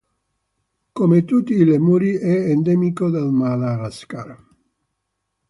Come tutti i lemuri è endemico del Madagascar.